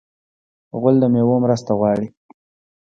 غول د میوو مرسته غواړي.